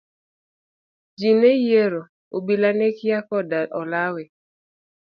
Ji nonyiero, obila ne kia koda olawe.